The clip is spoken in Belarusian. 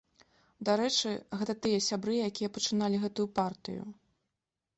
Дарэчы, гэта тыя сябры, якія пачыналі гэтую партыю.